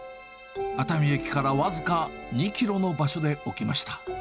熱海駅から僅か２キロの場所で起きました。